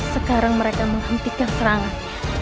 sekarang mereka menghentikan serangannya